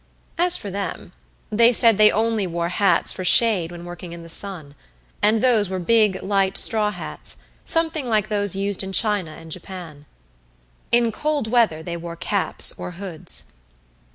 As for them, they said they only wore hats for shade when working in the sun; and those were big light straw hats, something like those used in China and Japan. In cold weather they wore caps or hoods.